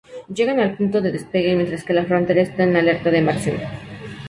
Llegan al punto de despegue, mientras que la frontera está en alerta de máxima.